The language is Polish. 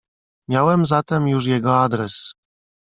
"Miałem zatem już jego adres."